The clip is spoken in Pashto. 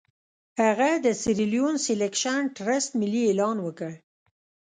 هغه د سیریلیون سیلکشن ټرست ملي اعلان کړ.